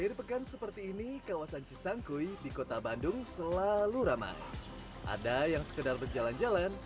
akhir pekan seperti ini kawasan cisangkui di kota bandung selalu ramai ada yang sekedar berjalan jalan